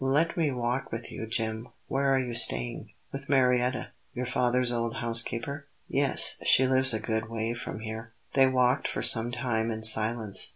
"Let me walk with you, Jim. Where are you staying?" "With Marietta." "Your father's old housekeeper?" "Yes; she lives a good way from here." They walked for some time in silence.